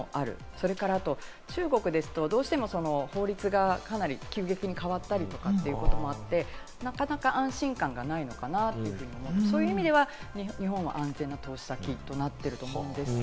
それから中国ですと、どうしても法律が急激に変わったりとかということもあって、なかなか安心感がないのかなということ、そういう意味では日本は安定した投資先というふうになってると思うんです。